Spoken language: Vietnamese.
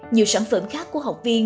nhiều sản phẩm khác của học viên